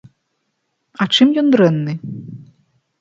А чым ён дрэнны?